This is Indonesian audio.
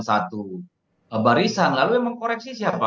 satu barisan lalu memang mengkoreksi siapa